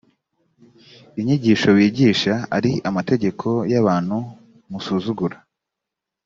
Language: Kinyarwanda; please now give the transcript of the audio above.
inyigisho bigisha ari amategeko y abantu musuzugura